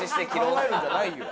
考えるんじゃないよ。